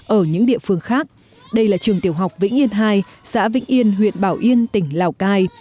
ở những địa phương khác đây là trường tiểu học vĩnh yên hai xã vĩnh yên huyện bảo yên tỉnh lào cai